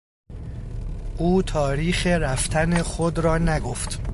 او تاریخ رفتن خود را نگفت.